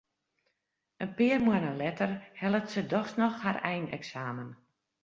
In pear moanne letter hellet se dochs noch har eineksamen.